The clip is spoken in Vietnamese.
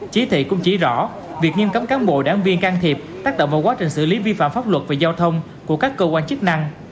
chỉ thị cũng chỉ rõ việc nghiêm cấm cán bộ đảng viên can thiệp tác động vào quá trình xử lý vi phạm pháp luật về giao thông của các cơ quan chức năng